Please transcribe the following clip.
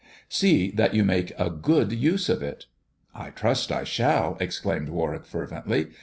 See that you make a good use of it." " I trust I shall," exclaimed Warwick fervently.